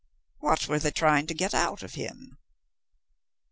"What were they trying to get out of him?"